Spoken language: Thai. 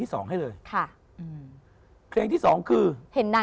แฟนไม่เดินเรียกกันมา